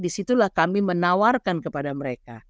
disitulah kami menawarkan kepada mereka